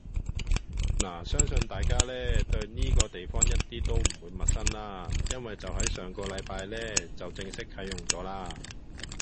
拿相信大家呢，對依個地方一啲都唔會陌生啦，因為就係上個禮拜呢就正式啟用咗啦